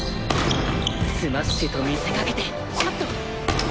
スマッシュと見せかけてカット！